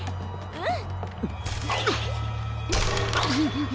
うん？